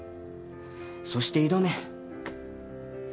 そして挑め。